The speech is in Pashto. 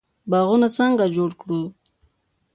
باغونه څنګه جوړ کړو؟